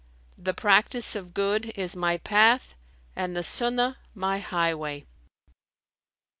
The practice of good is my path and the Sunnah my highway."